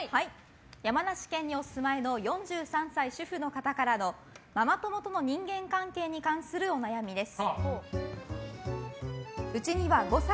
山梨県にお住まいの４３歳、主婦の方からのママ友との人間関係に関するお悩みです。